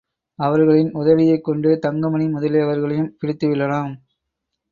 அவர்களின் உதவியைக்கொண்டு தங்கமணி முதலியவர்களையும் பிடித்துவிடலாம்.